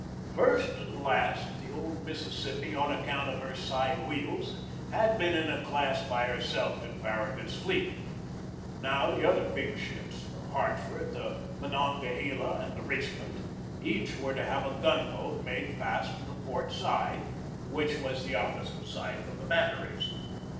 First and last, the old Mississippi, on account of her side wheels, had been in a class by herself in Far ragut's fleet. Now the other big ships, the Hart ford, the Monongahela, and the Richmond, each were to have a gun boat made fast to the port side, which was the opposite side from the batteries.